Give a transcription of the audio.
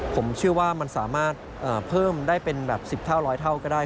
ผมเชื่อว่ามันสามารถเพิ่มได้เป็นแบบ๑๐เท่าร้อยเท่าก็ได้